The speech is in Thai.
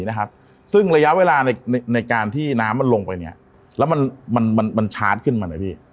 ระยะเวลาในการที่น้ำมันลงไปเนี่ยแล้วมันชาร์จขึ้นมานะพี่